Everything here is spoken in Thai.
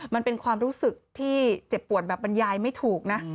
มันเป็นความรู้สึกที่เจ็บปวดแบบบรรยายไม่ถูกนะ